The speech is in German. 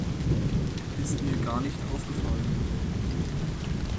Ist mir gar nicht aufgefallen.